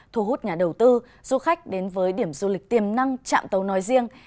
thu hút nhà đầu tư du khách đến với điểm du lịch tiềm năng trạm tấu nói riêng